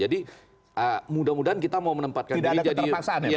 jadi mudah mudahan kita mau menempatkan diri